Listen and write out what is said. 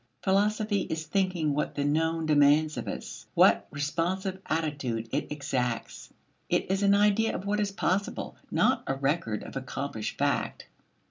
Philosophy is thinking what the known demands of us what responsive attitude it exacts. It is an idea of what is possible, not a record of accomplished fact.